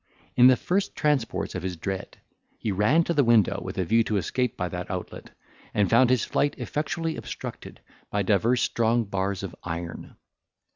In the first transports of his dread, he ran to the window, with a view to escape by that outlet, and found his flight effectually obstructed by divers strong bars of iron.